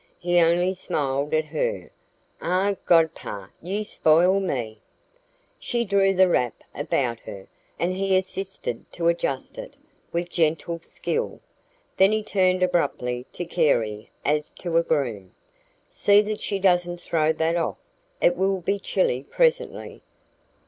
He only smiled at her. "Ah, godpapa, you spoil me!" She drew the wrap about her, and he assisted to adjust it, with gentle skill. Then he turned abruptly to Carey, as to a groom. "See that she doesn't throw that off. It will be chilly presently.